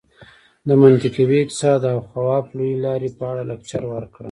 د منطقوي اقتصاد او خواف لویې لارې په اړه لکچر ورکړم.